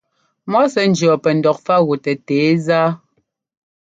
Mɔ̌ sɛ́ njíɔ pɛ ndɔkfágutɛ tɛ̌zá.